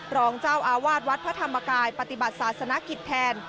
รองเจ้าอาวาสวัดพระธรรมกายปฏิบัติศาสนกิจแทน